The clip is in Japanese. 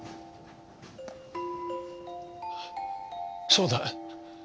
そうだ。